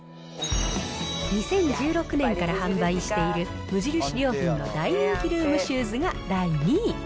２０１６年から販売している無印良品の大人気ルームシューズが第２位。